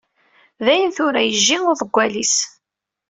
Dayen tura, yejji uḍeggal-is.